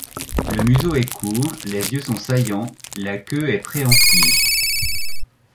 Le museau est court, les yeux sont saillants, la queue est préhensile.